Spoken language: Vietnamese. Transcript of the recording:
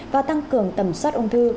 và tăng cường tầm soát ung thư